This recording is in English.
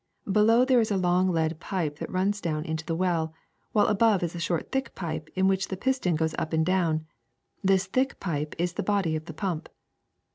Below there is a long lead pipe that runs down into the well, while above is a short thick pipe in which the piston goes up and down. This thick pipe is the body of the pump.